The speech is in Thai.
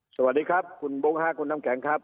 สวัสดีครับคุณบุ๊คคุณน้ำแข็งครับ